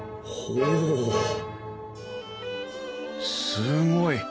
すごい！